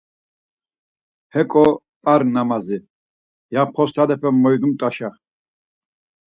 Heko p̌ar namazi, ya post̆alepe moydumt̆uşa.